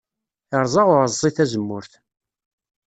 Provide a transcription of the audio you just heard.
Iṛẓa uɛeẓẓi tazemmurt.